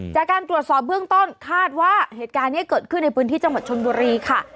จากการตรวจสอบเบื้องต้นคาดว่าเหตุการณ์นี้เกิดขึ้นในพื้นที่จังหวัดชนบุรีค่ะ